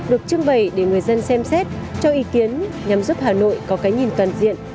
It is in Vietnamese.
được trưng bày để người dân xem xét cho ý kiến nhằm giúp hà nội có cái nhìn toàn diện